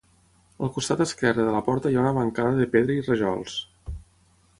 Al costat esquerre de la porta hi ha una bancada de pedra i rajols.